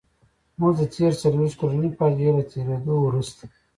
موږ د تېرې څلويښت کلنې فاجعې له تېرېدو وروسته.